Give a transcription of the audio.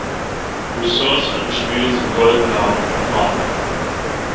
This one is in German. Ressourcen im Spiel sind Gold, Nahrung und Mana.